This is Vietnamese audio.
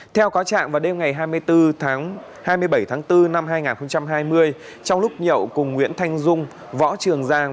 theo có trạng vào đêm ngày hai mươi bốn tháng hai mươi bảy tháng bốn năm hai nghìn hai mươi trong lúc nhậu cùng nguyễn thanh dung võ trường giang